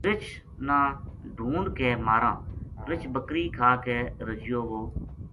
رچھ ناڈھُونڈ کے ماراں رچھ بکری کھا کے رجیو وو